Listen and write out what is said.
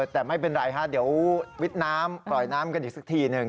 แต่ไม่เป็นไรฮะเดี๋ยววิดน้ำปล่อยน้ำกันอีกสักทีหนึ่ง